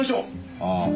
ああ。